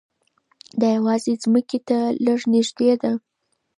دا یوازې ځمکې ته لږ نږدې ده.